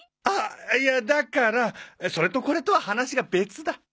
あっいやだからそれとこれとは話が別だ。